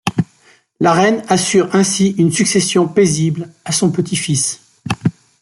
La reine assure ainsi une succession paisible à son petit-fils.